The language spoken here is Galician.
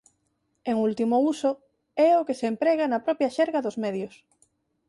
Un último uso é o que se emprega na propia xerga dos medios.